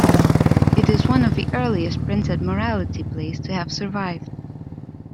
It is one of the earliest printed morality plays to have survived.